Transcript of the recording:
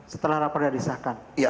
setelah raporan disahkan